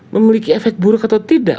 memiliki efek buruk atau tidak